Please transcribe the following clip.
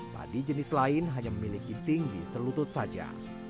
padi jenis lain hanya memiliki tinggi selutut saja